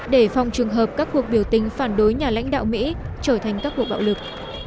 để phòng trường hợp các cuộc biểu tình phản đối nhà lãnh đạo mỹ trở thành các cuộc bạo lực